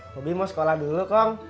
bobby mau sekolah dulu kong